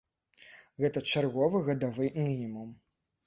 Гэта чарговы гадавы мінімум.